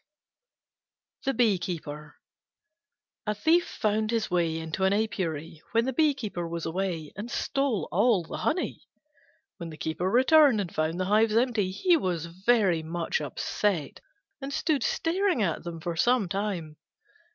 THE BEE KEEPER A Thief found his way into an apiary when the Bee keeper was away, and stole all the honey. When the Keeper returned and found the hives empty, he was very much upset and stood staring at them for some time.